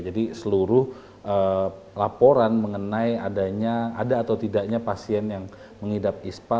jadi seluruh laporan mengenai adanya ada atau tidaknya pasien yang mengidap ispa